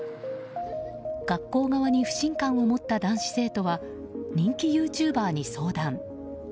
学校側に不信感を持った男子生徒は人気ユーチューバーに相談。